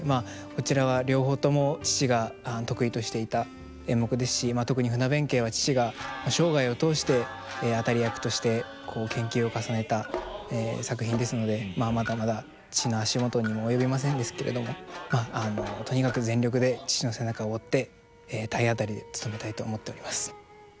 こちらは両方とも父が得意としていた演目ですし特に「船弁慶」は父が生涯を通して当たり役として研究を重ねた作品ですのでまだまだ父の足元にも及びませんですけれどもとにかく全力で父の背中を追って体当たりでつとめたいと思っております。